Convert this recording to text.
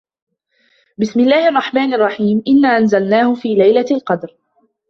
بِسمِ اللَّهِ الرَّحمنِ الرَّحيمِ إِنّا أَنزَلناهُ في لَيلَةِ القَدرِ